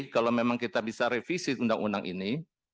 kalau memang kita bisa revisi undang undang ini